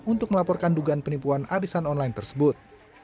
untuk melaporkan dugaan penipuan arisan online tersebut